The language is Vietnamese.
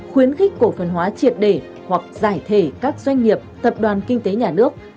khuyến khích cổ phần hóa triệt đề hoặc giải thể các doanh nghiệp tập đoàn kinh tế nhà nước